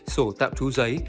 sổ tạm trú giấy